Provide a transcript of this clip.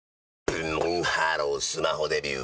ブンブンハロースマホデビュー！